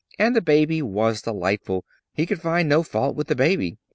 And the baby was delightful he could find no fault with the baby.